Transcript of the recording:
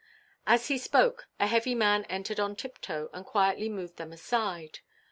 As he spoke, a heavy man entered on tiptoe, and quietly moved them aside.